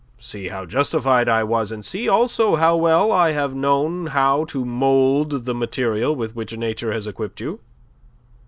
See how justified I was, and see also how well I have known how to mould the material with which Nature has equipped you."